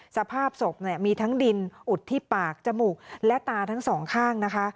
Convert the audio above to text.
สภาพศพเนี่ยมีทั้งดินอุดที่ปากจมูกและตาทั้งสองข้างนะคะ